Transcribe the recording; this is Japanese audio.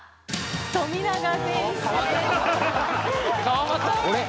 富永選手です。